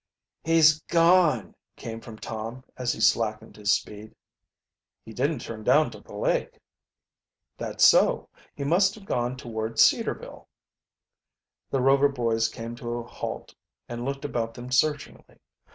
"He's gone!" came from Tom, as he slackened his speed. "He didn't turn down to the lake." "That's so. He must have gone toward Cedarville." The Rover boys came to a halt and looked about them searchingly.